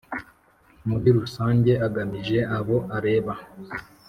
Murirusange agamije abo areba